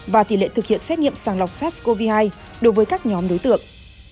và tỷ lệ thực hiện xét nghiệm sàng lọc sars cov hai đối với các nhóm đối tượng